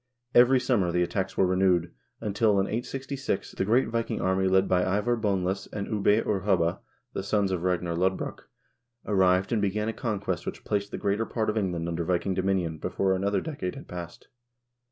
Every summer the attacks were renewed, until, in 866, the great Viking army led by Ivar Boneless and Ubbe or Hubba, the sons of Ragnar Lodbrok, arrived and began a conquest which placed the greater part of Eng land under Viking dominion before another decade had passed.